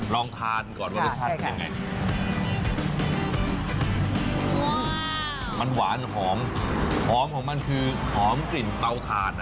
ลองทานก่อนว่ารสชาติเป็นไงมันหวานหอมหอมของมันคือหอมกลิ่นเตาคาด